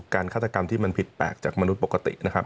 ฆาตกรรมที่มันผิดแปลกจากมนุษย์ปกตินะครับ